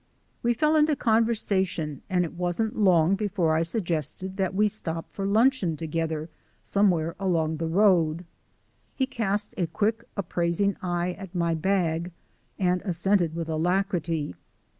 We fell into conversation, and it wasn't long before I suggested that we stop for luncheon together somewhere along the road. He cast a quick appraising eye at my bag, and assented with alacrity.